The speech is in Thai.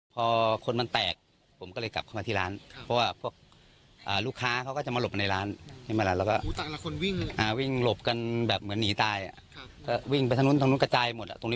พอคนมันแตกผมก็เลยกลับเข้ามาที่ร้าน